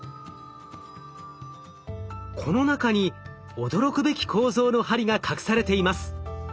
この中に驚くべき構造の針が隠されています。